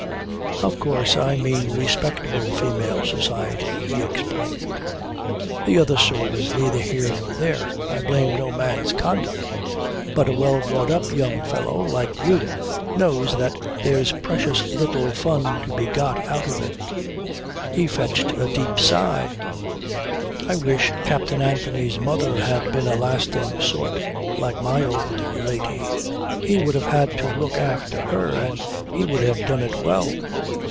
"Of course I mean respectable female society," he explained. "The other sort is neither here nor there. I blame no man's conduct, but a well brought up young fellow like you knows that there's precious little fun to be got out of it." He fetched a deep sigh. "I wish Captain Anthony's mother had been a lasting sort like my old lady. He would have had to look after her and he would have done it well.